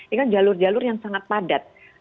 ini kan jalur jalur yang sangat padat